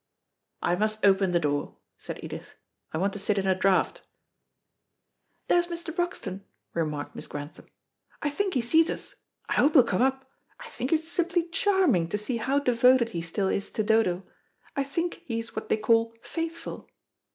"I must open the door," said Edith. "I want to sit in a draught." "There's Mr. Broxton," remarked Miss Grantham. "I think he sees us. I hope he'll come up. I think it's simply charming, to see how devoted he still is to Dodo. I think he is what they call faithful."